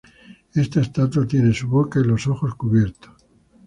Esta estatua tiene su boca y los ojos cubiertos.